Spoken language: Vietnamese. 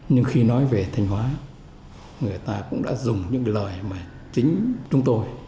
nhưng khi nói về thanh hóa người ta cũng đã dùng những lời mà chính chúng tôi